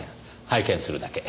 拝見するだけ。